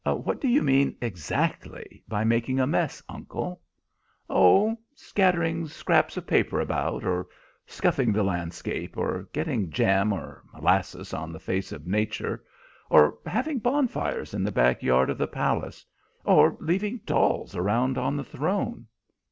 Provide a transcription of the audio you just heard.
"What do you mean exactly by making a mess, uncle?" "Oh, scattering scraps of paper about, or scuffing the landscape, or getting jam or molasses on the face of nature, or having bonfires in the back yard of the palace, or leaving dolls around on the throne.